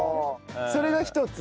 それが１つ。